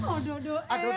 aduh aduh aduh